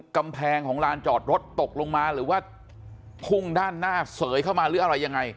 กำแพงของลานจอดรถตกลงมาหรือว่าพุ่งด้านหน้าเสยเข้ามาหรืออะไรยังไง